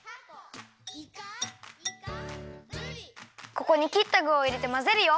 ここにきったぐをいれてまぜるよ。